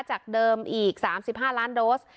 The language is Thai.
จากเดิมอีก๓๕ล้านโดส